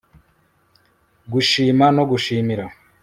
gushima no gushimira